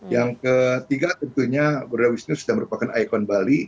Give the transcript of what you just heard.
yang ketiga tentunya garuda wisnu sudah merupakan ikon bali